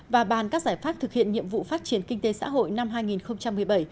và bàn các giải pháp thực hiện nhiệm vụ phát triển kinh tế xã hội năm hai nghìn một mươi bảy